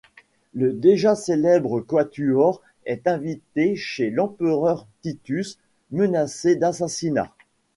Le déjà célèbre quatuor est invité chez l’empereur Titus, menacé d'assassinat.